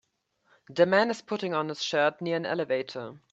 The man is putting on his shirt near an elevator.